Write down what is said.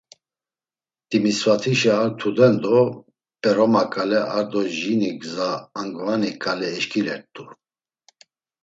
Timisvatişa ar tudendo P̌eroma ǩale ar do jini gza Angvani ǩale eşǩilert̆u.